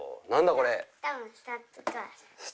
これ。